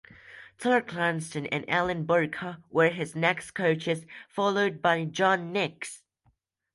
Toller Cranston and Ellen Burka were his next coaches, followed by John Nicks.